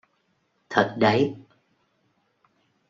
Thật đấy